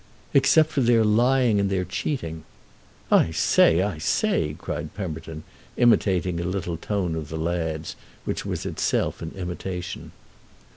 "Except for their lying and their cheating?" "I say—I say!" cried Pemberton, imitating a little tone of the lad's which was itself an imitation.